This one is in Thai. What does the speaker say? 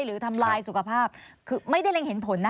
ทำลายสุขภาพคือไม่ได้เร็งเห็นผลนะ